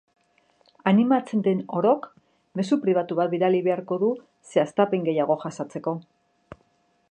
Animatzen den orok mezu pribatu bat bidali beharko du zehaztapen gehiago jasotzeko.